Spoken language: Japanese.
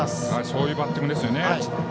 そういうバッティングですよね。